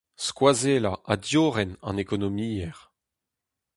Skoazellañ ha diorren an ekonomiezh.